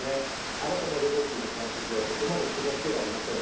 新たなロボットの関節はそこまで複雑ではありません。